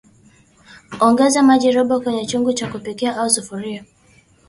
Ongeza maji robo kwenye chungu cha kupikia au sufuria